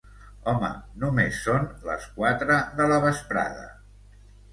Home, només són les quatre de la vesprada.